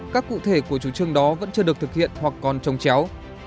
các cụ thể của chủ trương đó vẫn chưa được thực hiện hoặc còn trồng chéo